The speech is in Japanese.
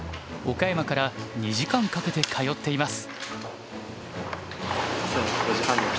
岡山から２時間かけて通っています。